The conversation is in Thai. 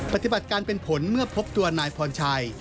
ปฏิบัติการเป็นผลเมื่อพบตัวนายพรชัย